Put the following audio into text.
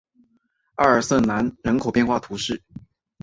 阿尔瑟南人口变化图示